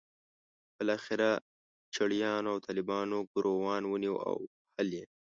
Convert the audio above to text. بالاخره چړیانو او طالبانو ګوروان ونیو او وهل یې.